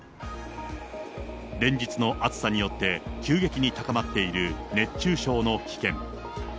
連日の暑さによって急激に高まっている熱中症の危険。